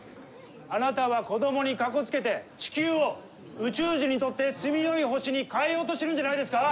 あなたは子どもにかこつけて地球を宇宙人にとって住みよい星に変えようとしてるんじゃないですか？